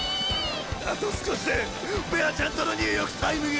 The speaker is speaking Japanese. あと少しでベアちゃんとの入浴タイムが。